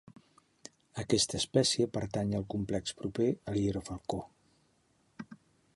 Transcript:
Aquesta espècie pertany al complex proper al hierofalcó.